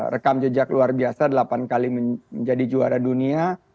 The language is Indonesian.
rekam jejak luar biasa delapan kali menjadi juara dunia